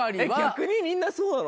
逆にみんなそうなの？